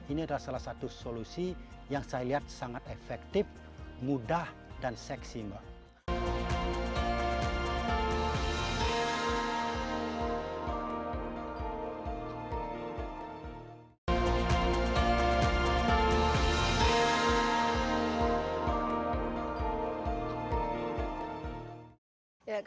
ini adalah salah satu solusi yang saya lihat sangat efektif mudah dan seksi mbak